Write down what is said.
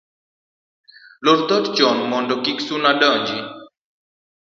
Lor dhoot chon mondo kik suna donji